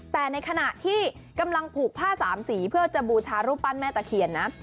แต่ในขณะที่กำลังผูกผ้าสามสีเพื่อจะบูชารูปปั้นแม่ตะเคียนนะ